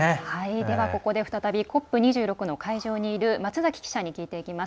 ではここで再びＣＯＰ２６の会場にいる松崎記者に聞いてみます。